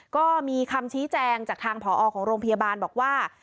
ก็มีคำชี้แจงจากทางผอของโรงพยาบาลบอกว่า